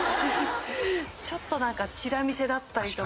ちょっとなんかチラ見せだったりとか。